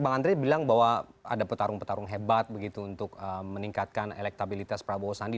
bang andre bilang bahwa ada petarung petarung hebat begitu untuk meningkatkan elektabilitas prabowo sandi